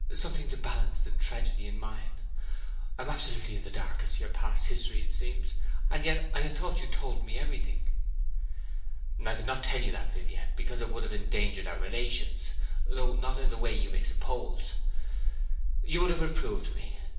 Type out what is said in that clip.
'Something to balance the tragedy in mine. I am absolutely in the dark as to your past history, it seems. And yet I had thought you told me everything.' 'I could not tell you that, Viviette, because it would have endangered our relations though not in the way you may suppose. You would have reproved me.